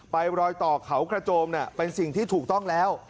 รอยต่อเขากระโจมเป็นสิ่งที่ถูกต้องแล้ว